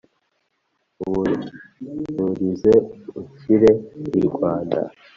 Ubuncyurize unshyire i Rwanda,